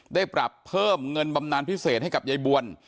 ได้ปรับเพิ่มเงินบำนานพิเศษให้กับยายบวล